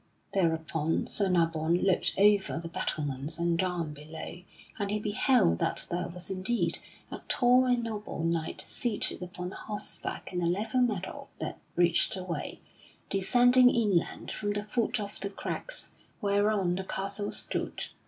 Thereupon Sir Nabon looked over the battlements and down below and he beheld that there was indeed a tall and noble knight seated upon horseback in a level meadow that reached away, descending inland from the foot of the crags whereon the castle stood.